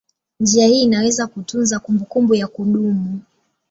Njia hii inaweza kutunza kumbukumbu ya kudumu.